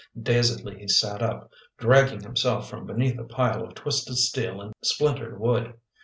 Dazedly he sat up, dragging himself from beneath a pile of twisted steel and splintered wood.